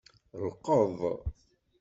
Lqeḍ.